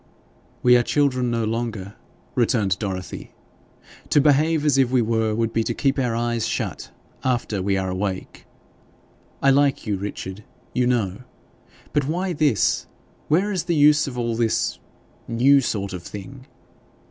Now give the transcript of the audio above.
'We are children no longer,' returned Dorothy. 'To behave as if we were would be to keep our eyes shut after we are awake. I like you, Richard, you know; but why this where is the use of all this new sort of thing?